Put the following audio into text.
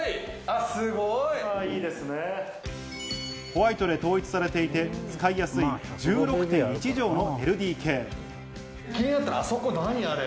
ホワイトで統一されていて使いやすい１６．１帖のＬＤＫ。